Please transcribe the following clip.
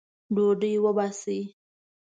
ډوډۍ وباسئ